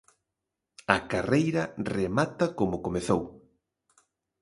A carreira remata como comezou.